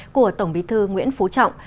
của tổng bí thư nguyễn phú trọng